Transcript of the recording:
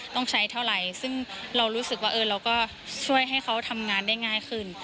ต้องใช้เท่าไหร่ซึ่งเรารู้สึกว่าเราก็ช่วยให้เขาทำงานได้ง่ายขึ้น